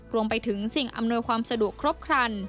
รวมไปถึงสิ่งอำนวยความสะดวกครบครัน